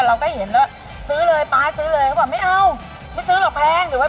เราก็เห็นแล้ว